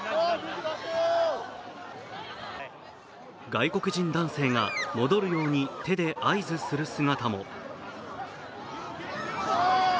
外国人男性が戻るように手で合図する姿も。